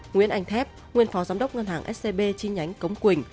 nguyễn anh thép nguyên phó giám đốc ngân hàng scb chi nhánh cống quỳnh